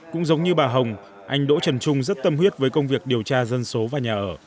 cũng giống như bà hồng anh đỗ trần trung rất tâm huyết với công việc điều tra dân số và nhà ở